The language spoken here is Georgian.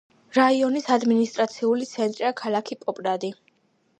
რაიონის ადმინისტრაციული ცენტრია ქალაქი პოპრადი.